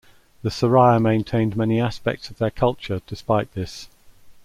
The Siraya maintained many aspects of their culture despite this.